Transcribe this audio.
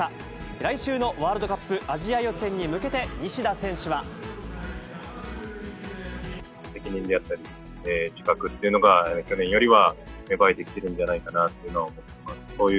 来週のワールドカップアジア予選責任であったり、自覚っていうのが、去年よりは芽生えてきてるんじゃないかなというのは思います。